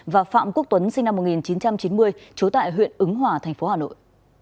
và phạm quốc tuấn sinh năm một nghìn chín trăm chín mươi trú tại huyện ứng hòa thành phố hà nội